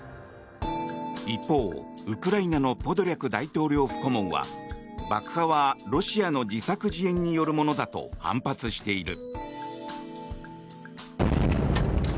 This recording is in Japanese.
一方、ウクライナのポドリャク大統領府顧問は爆破はロシアの自作自演によるものだと反発している。